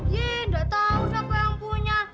ye nggak tahu siapa yang punya